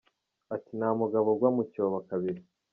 Ati “Nta mugabo ugwa mu cyobo kabiri.